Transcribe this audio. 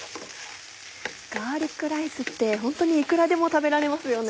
ガーリックライスってホントにいくらでも食べられますよね。